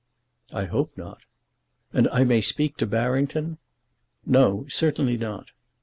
"I hope not." "And I may speak to Barrington?" "No; certainly not."